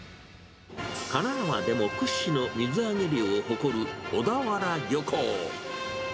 神奈川でも屈指の水揚げ量を誇る小田原漁港。